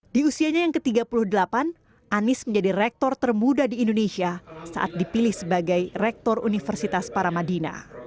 di usianya yang ke tiga puluh delapan anies menjadi rektor termuda di indonesia saat dipilih sebagai rektor universitas paramadina